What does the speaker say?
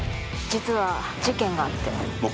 実は、事件があって。